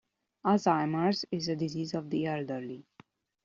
Alzheimer's is a disease of the elderly.